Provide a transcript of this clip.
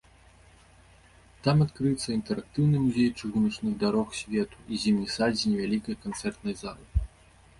Там адкрыецца інтэрактыўны музей чыгуначных дарог свету і зімні сад з невялікай канцэртнай залай.